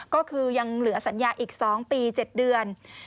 ก็คือยังเหลือสัญญาอีก๒ปี๗เดือน